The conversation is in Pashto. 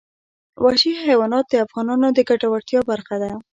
وحشي حیوانات د افغانانو د ګټورتیا برخه ده.